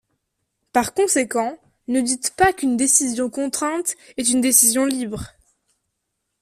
Par conséquent, ne dites pas qu’une décision contrainte est une décision libre.